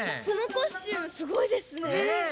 そのコスチュームすごいですね。